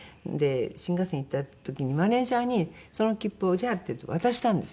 新幹線行った時にマネジャーにその切符を「じゃあ」って言って渡したんですよ。